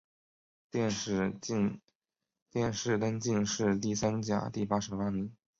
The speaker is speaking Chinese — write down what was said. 殿试登进士第三甲第八十八名。